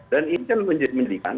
dan ini kan menjadikan